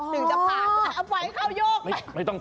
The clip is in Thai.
ถึงจะผ่านอัพไฟเข้ายกไป